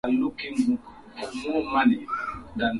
Andaa viazi lishe